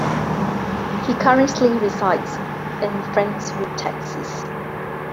He currently resides in Friendswood, Texas.